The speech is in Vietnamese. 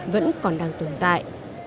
vẫn còn đang tồn tại